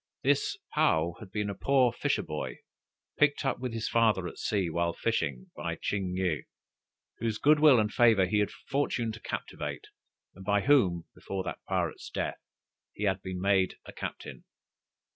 This Paou had been a poor fisher boy, picked up with his father at sea, while fishing, by Ching yih, whose good will and favor he had the fortune to captivate, and by whom, before that pirate's death, he had been made a captain.